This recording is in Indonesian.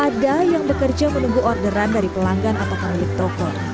ada yang bekerja menunggu orderan dari pelanggan atau pemilik toko